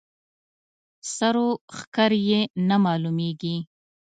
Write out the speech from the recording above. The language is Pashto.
سر و ښکر یې نه معلومېږي.